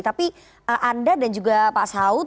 tapi anda dan juga pak saud